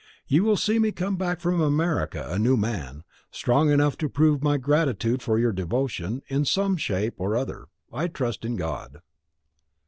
You will see me come back from America a new man, strong enough to prove my gratitude for your devotion, in some shape or other, I trust in God."